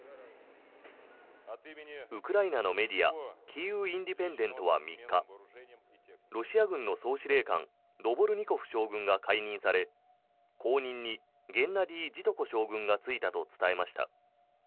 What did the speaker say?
ウクライナのメディアキーウ・インディペンデントは３日ロシア軍の総司令官ドボルニコフ将軍が解任され後任にゲンナディ・ジトコ将軍が就いたと伝えました。